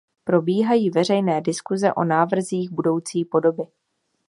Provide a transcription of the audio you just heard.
Probíhají veřejné diskuse o návrzích budoucí podoby.